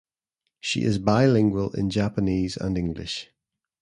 She is bilingual in Japanese and English.